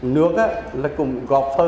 nước là cũng góp phần